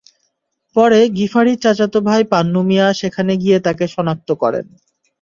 পরে গিফারীর চাচাতো ভাই পান্নু মিয়া সেখানে গিয়ে তাঁকে শনাক্ত করেন।